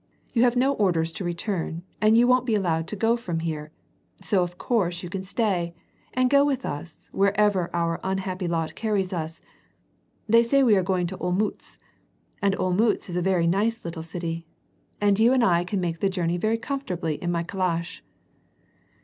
You have had no orders to return, and you won't be allowed to go from here, so of course you can stay, and go with us wherever our unhappy lot carries us. They say we are going to Olmutz. And Olmiitz is a very nice little city. And you and I can make the journey very comfortably in my calash."